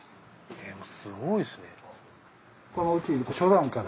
すごいっすね。